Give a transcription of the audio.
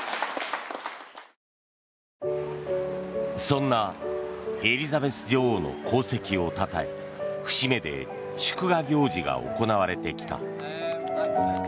そんなエリザベス女王の功績をたたえ節目で祝賀行事が行われてきた。